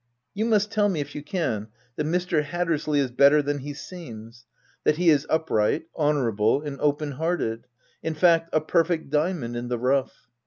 You must tell me, if you can, that Mr. Hattersley is better than he seems — that he is upright, honourable, and open hearted — in fact, a perfect diamond in the rough.